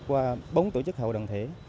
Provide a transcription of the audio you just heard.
qua bốn tổ chức hậu đồng thể